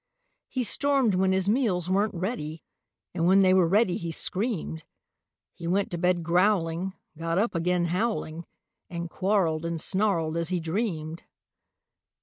He stormed when his meals weren't ready, And when they were ready, he screamed. He went to bed growling, got up again howling And quarreled and snarled as he dreamed.